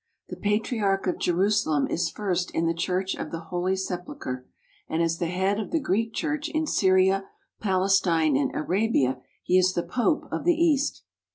The Patriarch of Jerusalem is first in the Church of the Holy Sepulchre, and as the head of the Greek Church in Syria, Palestine, and Arabia, he is the pope of the East.